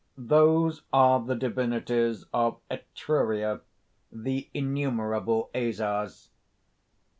"Those are the divinities of Etruria, the innumerable Æsars.